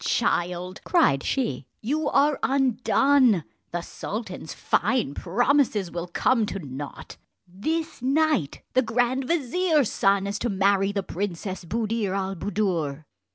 "Child," cried she, "you are undone! the sultan's fine promises will come to nought. This night the grand vizier's son is to marry the Princess Buddir al Buddoor."